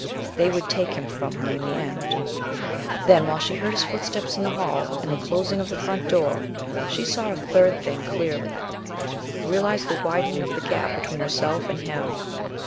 They would take him from her in the end.... Then, while she heard his footsteps in the hall and the closing of the front door, she saw a third thing clearly; realized the widening of the gap between herself and him.